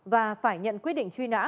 và phải nhận quyết định truy nã